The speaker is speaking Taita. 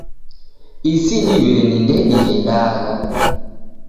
Isi diw'eni ndedighendagha